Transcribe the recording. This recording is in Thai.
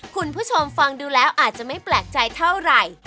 คุณผู้ชมฟังดูแล้วอาจจะไม่แปลกใจเท่าไหร่